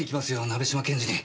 鍋島検事に。